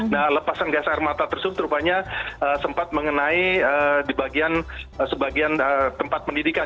nah lepasan gas air mata tersebut rupanya sempat mengenai di bagian sebagian tempat pendidikan